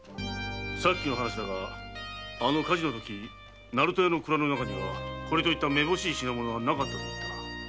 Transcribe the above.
さっきの話だがあの火事のとき鳴門屋の蔵の中にこれといっためぼしい品物は無かったと言ったな？